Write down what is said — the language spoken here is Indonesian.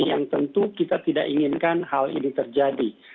yang tentu kita tidak inginkan hal ini terjadi